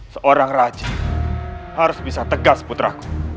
seorang rajin harus bisa tegas putraku